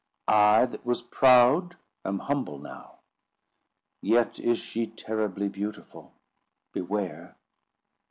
I that was proud am humble now. Yet is she terribly beautiful—beware.